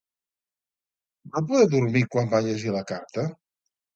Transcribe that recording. Va poder dormir quan va llegir la carta?